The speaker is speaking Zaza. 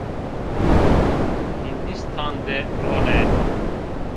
Hîndîstan de rone